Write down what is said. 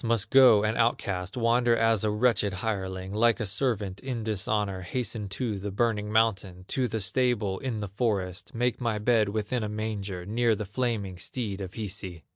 must go an outcast, Wander as a wretched hireling, Like a servant in dishonor, Hasten to the burning mountain, To the stable in the forest, Make my bed within a manger, Near the flaming steed of Hisi!"